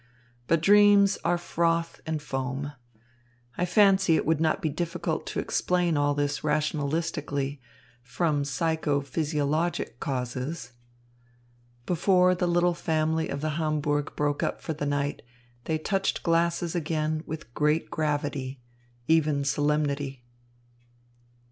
But dreams are froth and foam. I fancy it would not be difficult to explain all this rationalistically, from psycho physiologic causes." Before the little family circle of the Hamburg broke up for the night, they touched glasses again with great gravity, even solemnity.